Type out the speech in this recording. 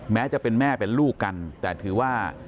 แม้จะเป็นแม่เป็นลูกกันแต่ถือว่า